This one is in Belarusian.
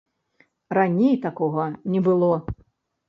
Раней такога не было.